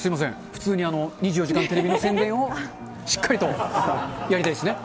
普通に２４時間テレビの宣伝をしっかりとやりたいですね。